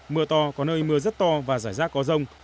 mưa to có nơi mưa rất to và rải rác có rông